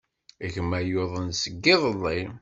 Gma yuḍen seg yiḍelli.